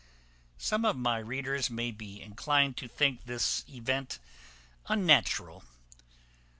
Some of my readers may be inclined to think this event unnatural.